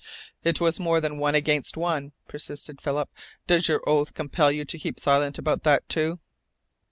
"It was more than one against one," persisted Philip. "Does your oath compel you to keep silent about that, too?"